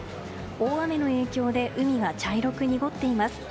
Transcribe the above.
大雨の影響で海は茶色く濁っています。